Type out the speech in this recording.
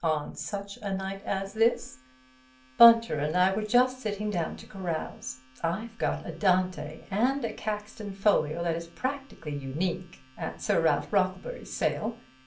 'On such a night as this—' Bunter and I were just sitting down to carouse. I've got a Dante, and a Caxton folio that is practically unique, at Sir Ralph Brocklebury's sale.